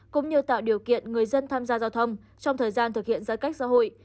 cũng như tạo điều kiện người dân tham gia giao thông trong thời gian thực hiện giãn cách xã hội